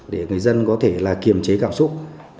thì người dân có thể kiềm chế cảm xúc